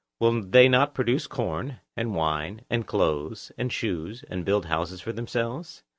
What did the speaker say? Will they not produce corn, and wine, and clothes, and shoes, and build houses for themselves?